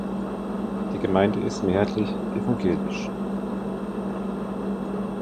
Die Gemeinde ist mehrheitlich evangelisch.